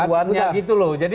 tuhannya gitu loh